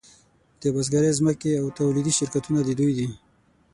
د بزګرۍ ځمکې او تولیدي شرکتونه د دوی دي